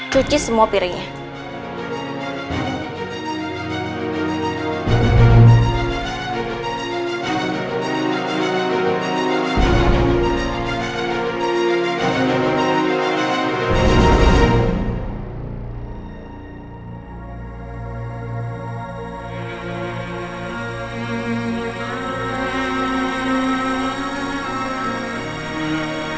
cuci semua piringnya